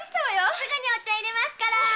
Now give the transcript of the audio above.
すぐにお茶入れますから！